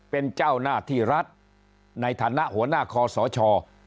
เป็นเจ้าหน้าที่รัฐในฐานะหัวหน้าคอสช